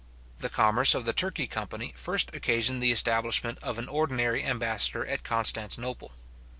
The commerce of the Turkey company first occasioned the establishment of an ordinary ambassador at Constantinople.